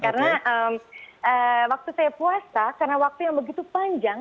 karena waktu saya puasa karena waktu yang begitu panjang